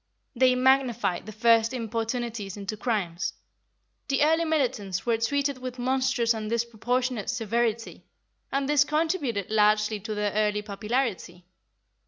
They magnified the first importunities into crimes. The early militants were treated with monstrous and disproportionate severity, and this contributed largely to their early popularity.